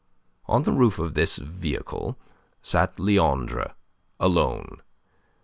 On the roof of this vehicle sat Leandre alone.